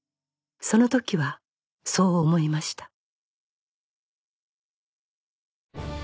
その時はそう思いました